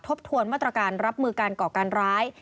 ทบทวนมาตรการรับมือการก่อการร้าย